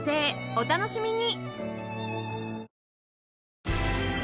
お楽しみに！